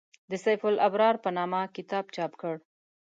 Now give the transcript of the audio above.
د «سیف الابرار» په نامه کتاب چاپ کړ.